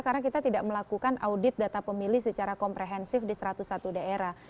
karena kita tidak melakukan audit data pemilih secara komprehensif di satu ratus satu daerah